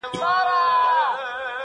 مطربه چي رباب درسره وینم نڅا راسي٫